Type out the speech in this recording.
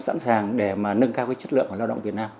sẵn sàng để mà nâng cao cái chất lượng của lao động việt nam